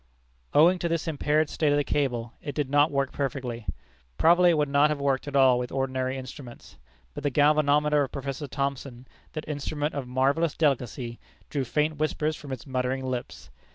Owing to this impaired state of the cable, it did not work perfectly. Probably it would not have worked at all with ordinary instruments. But the galvanometer of Professor Thomson, that instrument of marvellous delicacy, drew faint whispers from its muttering lips.